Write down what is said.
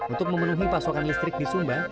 untuk memenuhi pasokan listrik di sumba